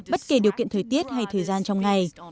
bất kể điều kiện thời tiết hay thời gian trong ngày